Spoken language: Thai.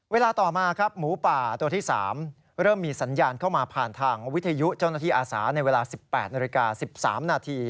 เวลาต่อมาครับหมูป่าตัวที่๓เริ่มมีสัญญาณเข้ามาผ่านทางวิทยุเจ้าหน้าที่อาสาในเวลา๑๘นาฬิกา๑๓นาที